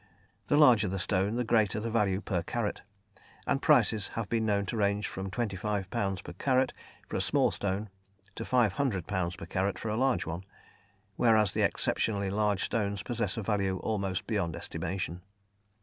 The larger the stone the greater the value per carat, and prices have been known to range from 25_l._ per carat for a small stone to 500_l._ per carat for a large one, whereas the exceptionally large stones possess a value almost beyond estimation.